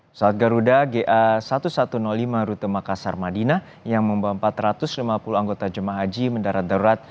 pesawat garuda ga seribu satu ratus lima rute makassar madinah yang membawa empat ratus lima puluh anggota jemaah haji mendarat darurat